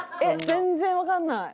全然わかんない。